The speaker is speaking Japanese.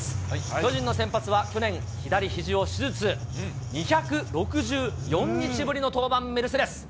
巨人の先発は、去年、左ひじを手術、２６４日ぶりの登板、メルセデス。